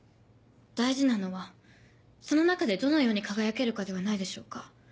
大事なのはその中でどのように輝けるかではないでしょうか？